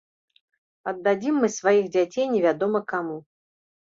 Аддадзім мы сваіх дзяцей невядома каму.